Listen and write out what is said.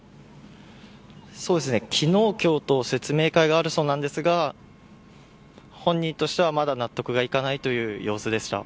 昨日、今日と説明会があるそうなんですが本人としてはまだ納得がいかないという様子でした。